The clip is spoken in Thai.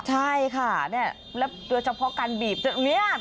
ใช่ค่ะแล้วเฉพาะการบีบบีบยาว